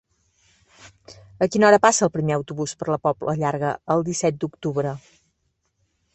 A quina hora passa el primer autobús per la Pobla Llarga el disset d'octubre?